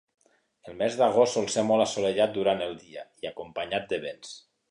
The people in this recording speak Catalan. El mes d'agost sol ser molt assolellat durant el dia i acompanyat de vents.